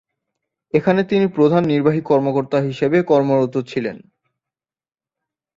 এখানে তিনি প্রধান নির্বাহী কর্মকর্তা হিসেবে কর্মরত ছিলেন।